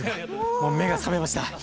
もう目が覚めました。